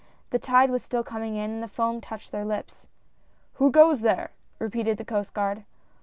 The tide was still coming in, and the foam touched their lips. " Who goes there !" repeated the Coast Guard.